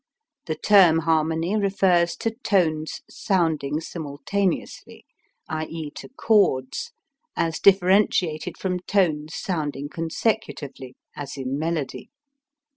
The term harmony refers to tones sounding simultaneously, i.e., to chords, as differentiated from tones sounding consecutively, as in melody.